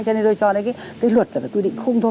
cho nên tôi cho đến cái luật là quy định khung thôi